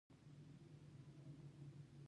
ما د دغې سيمې طبيعي ښکلا په سکرين کتلې وه.